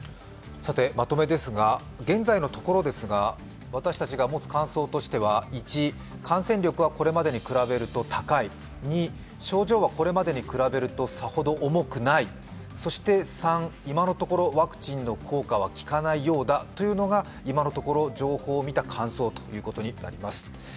まとめですが、現在のところ私たちが持つ感想としては１、感染力はこれまでに比べると高い２、症状はこれまでに比べるとさほど重くない、３、今のところワクチンの効果は効かないようだというのが、今のところ情報を見た感想ということになります。